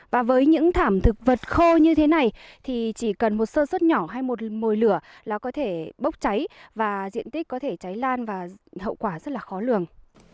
và với những thảm thực vật khô như thế này thì chỉ cần một sơ suất nhỏ hay một mồi lửa là có thể bốc cháy và diện tích có thể cháy lan và hậu quả rất là khó lường